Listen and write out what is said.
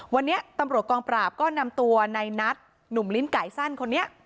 วันนี้ตำรวจกองปราบก็นำตัวในนัทหนุ่มลิ้นไก่สั้นคนนี้